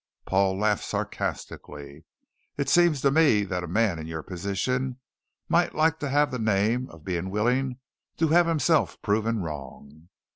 Paul laughed sarcastically. "It seems to me that a man in your position might like to have the name of being willing to have himself proven wrong."